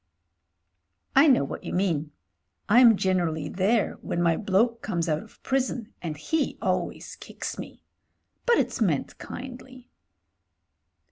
*'I know what you mean. Tm generally there when my bloke comes out of prison, and he always kicks me. But it's meant kindly."